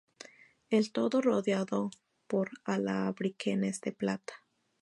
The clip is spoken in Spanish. El todo rodeado por lambrequines de plata.